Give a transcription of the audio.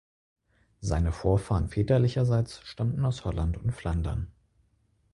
Seine Vorfahren väterlicherseits stammten aus Holland und Flandern.